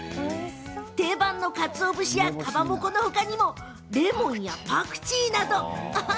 定番のかつお節やかまぼこの他にもレモンやパクチー。